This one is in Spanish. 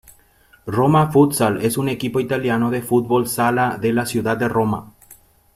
Roma Futsal es un equipo italiano de fútbol sala de la ciudad de Roma.